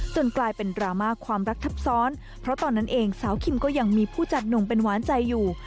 กลายเป็นดราม่าความรักทับซ้อนเพราะตอนนั้นเองสาวคิมก็ยังมีผู้จัดหนุ่มเป็นหวานใจอยู่